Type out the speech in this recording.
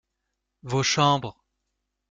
Vos chambres.